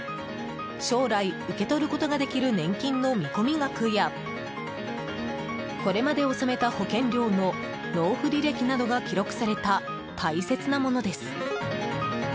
将来、受け取ることができる年金の見込み額やこれまで納めた保険料の納付履歴などが記録された大切なものです。